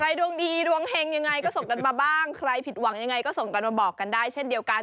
ดวงดีดวงเฮงยังไงก็ส่งกันมาบ้างใครผิดหวังยังไงก็ส่งกันมาบอกกันได้เช่นเดียวกัน